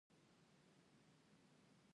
د پښتنو په کلتور کې د ناروغ عیادت سنت دی.